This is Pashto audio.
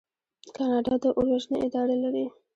کاناډا د اور وژنې اداره لري.